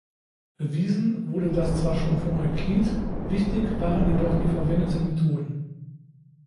Bewiesen wurde das zwar schon von Euklid, wichtig waren jedoch die verwendeten Methoden.